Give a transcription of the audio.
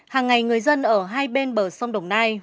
hàng ngày người dân ở hai bên bờ sông đồng nai